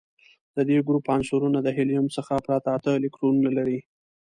د دې ګروپ عنصرونه د هیلیم څخه پرته اته الکترونونه لري.